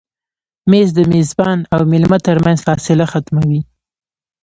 مېز د میزبان او مېلمه تر منځ فاصله ختموي.